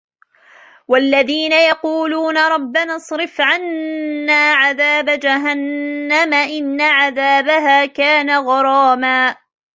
وَالَّذِينَ يَقُولُونَ رَبَّنَا اصْرِفْ عَنَّا عَذَابَ جَهَنَّمَ إِنَّ عَذَابَهَا كَانَ غَرَامًا